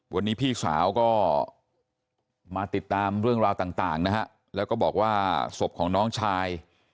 วันนี้พี่สาวก็มาติดตามเรื่องราวต่างนะฮะแล้วก็บอกว่าศพของน้องชาย